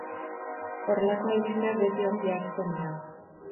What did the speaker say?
Horrelako albisteak beti ongi hartzen dira.